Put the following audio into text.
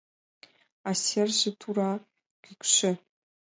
А серже тура, кӱкшӧ.